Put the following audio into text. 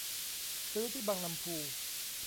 ซื้อที่บางลำภู